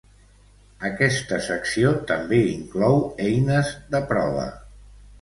Aquesta secció també inclou eines de prova.